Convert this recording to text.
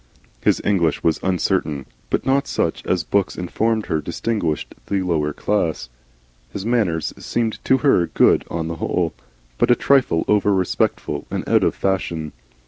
His English was uncertain, but not such as books informed her distinguished the lower classes. His manners seemed to her good on the whole, but a trifle over respectful and out of fashion.